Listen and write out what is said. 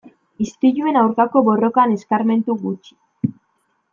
Istiluen aurkako borrokan eskarmentu gutxi.